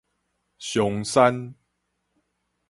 松山